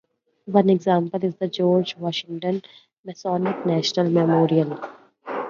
One example is the George Washington Masonic National Memorial.